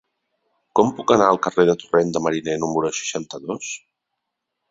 Com puc anar al carrer del Torrent de Mariner número seixanta-dos?